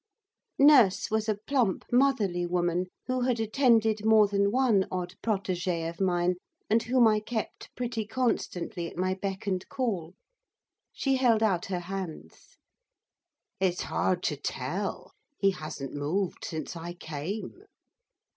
Nurse was a plump, motherly woman, who had attended more than one odd protégé of mine, and whom I kept pretty constantly at my beck and call. She held out her hands. 'It's hard to tell. He hasn't moved since I came.